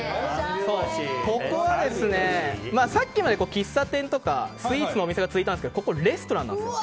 ここはさっきまで喫茶店とかスイーツのお店が続いたんですけどここはレストランなんですよ。